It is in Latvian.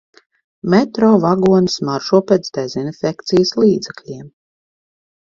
Metro vagoni smaržo pēc dezinfekcijas līdzekļiem.